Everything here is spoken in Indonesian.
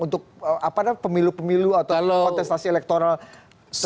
untuk pemilu pemilu atau kontestasi elektoral terbuka gitu